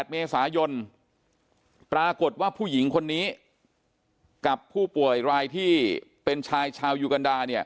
๘เมษายนปรากฏว่าผู้หญิงคนนี้กับผู้ป่วยรายที่เป็นชายชาวยูกันดาเนี่ย